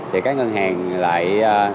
thì các ngân hàng lại